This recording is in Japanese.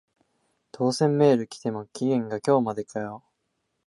当選メール来ても期限が今日までかよ